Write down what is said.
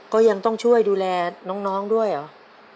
ก็ยังต้องช่วยดูแลน้องด้วยเหรอ